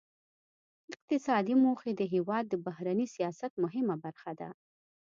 اقتصادي موخې د هیواد د بهرني سیاست مهمه برخه ده